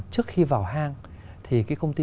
trước khi vào hang thì cái công ty